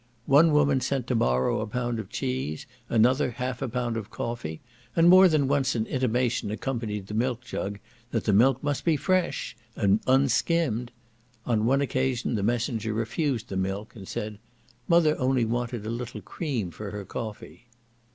One woman sent to borrow a pound of cheese; another half a pound of coffee; and more than once an intimation accompanied the milk jug, that the milk must be fresh, and unskimmed: on one occasion the messenger refused milk, and said, "Mother only wanted a little cream for her coffee."